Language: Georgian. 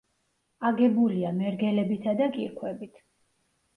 აგებულია მერგელებითა და კირქვებით.